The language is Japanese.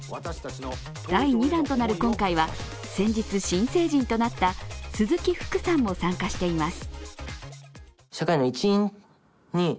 第２弾となる今回は先日、新成人となった鈴木福さんも参加しています。